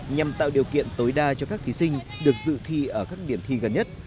nhằm tạo điều kiện tối đa cho các thí sinh được dự thi ở các điểm thi gần nhất